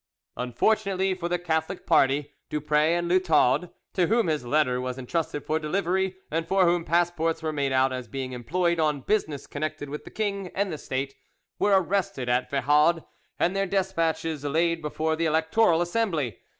Unfortunately for the Catholic party, Dupre and Lieutaud, to whom this letter was entrusted for delivery, and for whom passports were made out as being employed on business connected with the king and the State, were arrested at Vehaud, and their despatches laid before the Electoral Assembly.